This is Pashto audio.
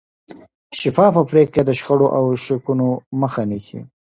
شفافه پرېکړې د شخړو او شکونو مخه نیسي